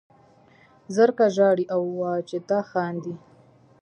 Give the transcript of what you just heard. زرکه ژاړي او واجده خاندي